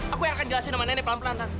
aku yang akan jelasin sama nenek pelan pelan